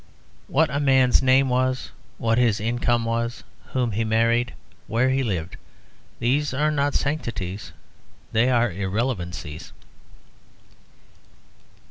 What a man's name was, what his income was, whom he married, where he lived, these are not sanctities; they are irrelevancies.